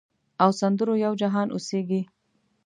او سندرو یو جهان اوسیږې